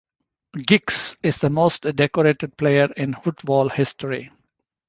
Giggs is the most decorated player in football history.